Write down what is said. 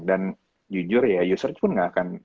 dan jujur ya user itu pun gak akan